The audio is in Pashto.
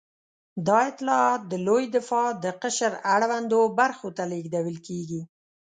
دا اطلاعات د لوی دماغ د قشر اړوندو برخو ته لېږدول کېږي.